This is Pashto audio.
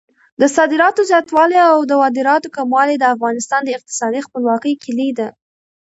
د صادراتو زیاتوالی او د وارداتو کموالی د افغانستان د اقتصادي خپلواکۍ کیلي ده.